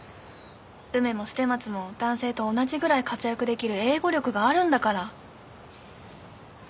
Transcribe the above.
梅も捨松も男性と同じぐらい活躍できる英語力があるんだから。